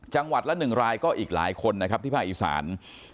จังหวัดละ๑รายก็อีกหลายคนนะครับที่ภาคอีสาน